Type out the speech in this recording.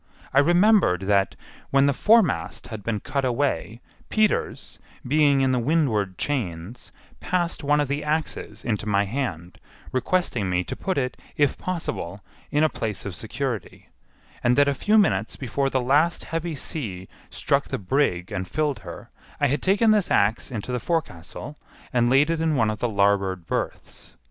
I remembered that, when the foremast had been cut away, Peters, being in the windward chains, passed one of the axes into my hand, requesting me to put it, if possible, in a place of security, and that a few minutes before the last heavy sea struck the brig and filled her I had taken this axe into the forecastle and laid it in one of the larboard berths.